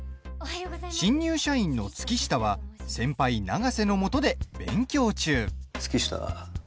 新入社員の月下は先輩、永瀬のもとで勉強中。